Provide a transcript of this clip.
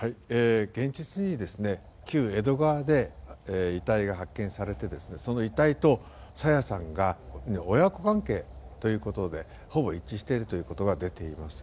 現実に、旧江戸川で遺体が発見されてその遺体と朝芽さんが親子関係ということでほぼ一致しているということが出ています。